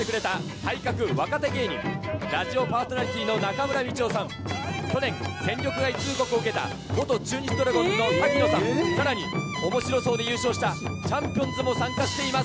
体格若手芸人、ラジオパーソナリティーのなかむらみちおさん、去年、戦力外通告を受けた、元中日ドラゴンズの滝野さん、さらにおもしろ荘で優勝したチャンピオンズも参加しています。